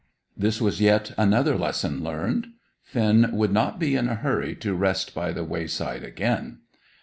This was yet another lesson learned. Finn would not be in a hurry to rest by the wayside again.